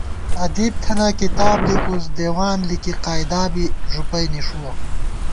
ادیب تھنہ کتاب لِکُوس ، دیوان لِکی قاعدا بی ݫُپَئ نِݭُوَہ